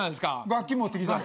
楽器持ってきた。